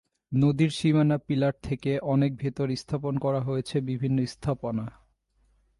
নদীর সীমানা পিলার থেকে অনেক ভেতরে স্থাপন করা হয়েছে বিভিন্ন স্থাপনা।